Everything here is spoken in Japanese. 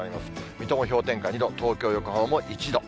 水戸も氷点下２度、東京、横浜も１度。